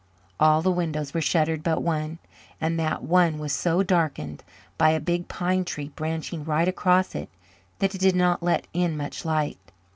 All the windows were shuttered but one, and that one was so darkened by a big pine tree branching right across it that it did not let in much light.